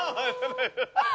ハハハハ。